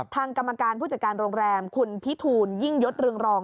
กรรมการผู้จัดการโรงแรมคุณพิทูลยิ่งยศเรืองรอง